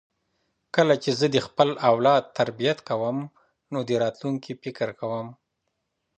کله چې زه د خپل اولاد تربیت کوم نو د راتلونکي فکر کوم.